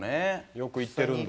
よく行ってるんだ。